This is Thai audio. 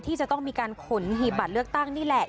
ที่จะต้องมีการขนหีบบัตรเลือกตั้งนี่แหละ